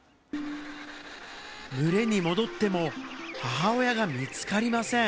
群れに戻っても、母親が見つかりません。